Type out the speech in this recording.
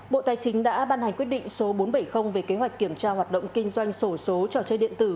bộ tài chính đã ban hành quyết định số bốn trăm bảy mươi về kế hoạch kiểm tra hoạt động kinh doanh sổ số trò chơi điện tử